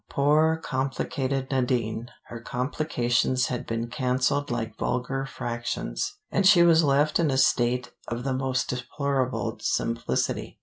Poor complicated Nadine! Her complications had been canceled like vulgar fractions, and she was left in a state of the most deplorable simplicity.